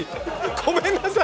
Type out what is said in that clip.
ごめんなさい！